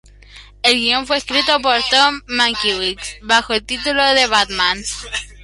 El guión fue escrito por Tom Mankiewicz bajo el título "The Batman".